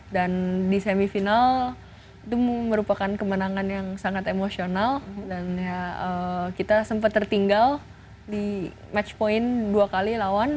dan di semifinal itu merupakan kemenangan yang sangat emosional dan ya kita sempat tertinggal di match point dua kali lawan